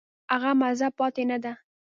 هغه مزه پاتې نه ده.